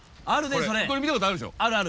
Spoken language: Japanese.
これ見たことあるでしょ。